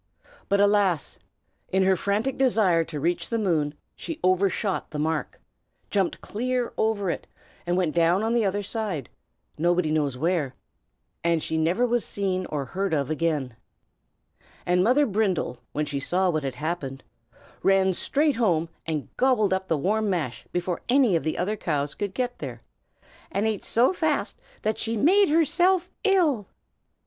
But, alas! in her frantic desire to reach the moon she overshot the mark; jumped clear over it, and went down on the other side, nobody knows where, and she never was seen or heard of again. And Mother Brindle, when she saw what had happened, ran straight home and gobbled up the warm mash before any of the other cows could get there, and ate so fast that she made herself ill.